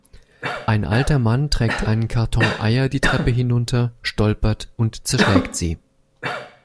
Ein alter Mann trägt einen Karton Eier die Treppe hinunter, stolpert und zerschlägt sie.